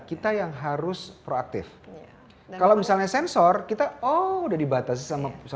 kita yang harus proaktif kalau misalnya sensor kita oh udah dibatasi sama